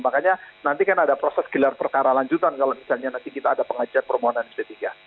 makanya nanti kan ada proses gelar perkara lanjutan kalau misalnya nanti kita ada pengajuan permohonan p tiga